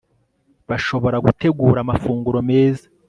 bashobora gutegura amafunguro meza